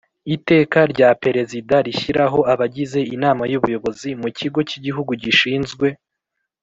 Iteka rya Perezida rishyiraho abagize Inama y Ubuyobozi mu Kigo cy Igihugu gishinzwe